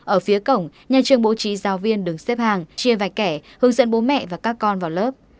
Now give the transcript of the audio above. ở phía cổng nhà trường bố trí giáo viên đứng xếp hàng chia vạch kẻ hướng dẫn bố mẹ và các con vào lớp